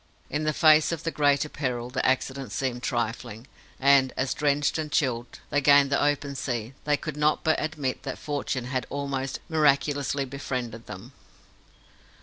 In the face of the greater peril, the accident seemed trifling; and as, drenched and chilled, they gained the open sea, they could not but admit that fortune had almost miraculously befriended them.